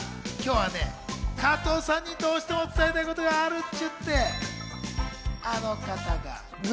今日は加藤さんにどうしても伝えたいことがあるというので、あの方が。